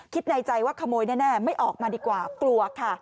ในใจว่าขโมยแน่ไม่ออกมาดีกว่ากลัวค่ะ